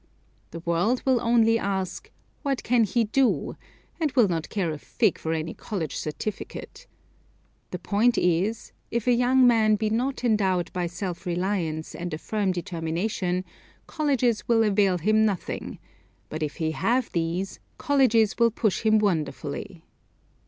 The world will only ask, "What can he do?" and will not care a fig for any college certificate. The point is; if a young man be not endowed by self reliance and a firm determination, colleges will avail him nothing; but if he have these, colleges will push him wonderfully.